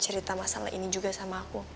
cerita masalah ini juga sama aku